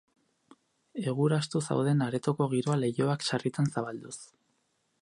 Egurastu zauden aretoko giroa leihoak sarritan zabalduz.